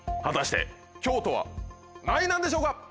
果たして京都は何位なんでしょうか？